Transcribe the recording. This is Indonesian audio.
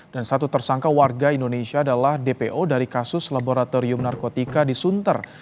dan satu tersangka warga indonesia adalah dpo dari kasus laboratorium narkotika di sunter